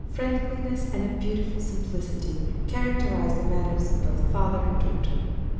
Friendliness and a beautiful simplicity characterized the manners of both father and daughter.